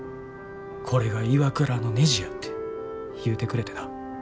「これがＩＷＡＫＵＲＡのねじや」って言うてくれてな。